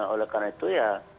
oleh karena itu ya